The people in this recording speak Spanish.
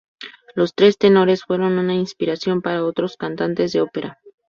Los tres tenores fueron una inspiración para otros cantantes de ópera.